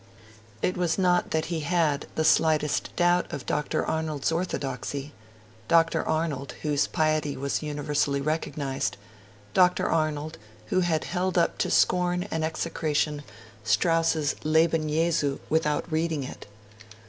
It was not that he had the slightest doubt of Dr. Arnold's orthodoxy Dr. Arnold, whose piety was universally recognised Dr. Arnold, who had held up to scorn and execration Strauss's Leben Jesu without reading it.